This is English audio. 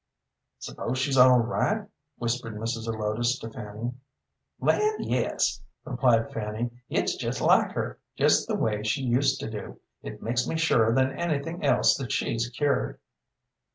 "S'pose she's all right?" whispered Mrs. Zelotes to Fanny. "Land, yes," replied Fanny; "it's just like her, just the way she used to do. It makes me surer than anything else that she's cured."